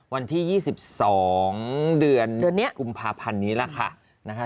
วันที่๒๒เดือนกุมภาพันธ์นี้แล้วค่ะ